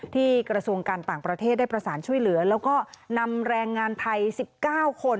กระทรวงการต่างประเทศได้ประสานช่วยเหลือแล้วก็นำแรงงานไทย๑๙คน